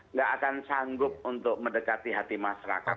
nggak akan sanggup untuk mendekati hati masyarakat